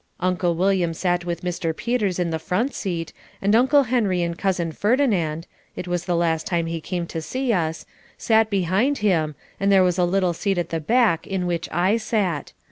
Uncle William sat with Mr. Peters in the front seat, and Uncle Henry and Cousin Ferdinand (it was the last time he came to see us) sat behind them and there was a little seat at the back in which I sat.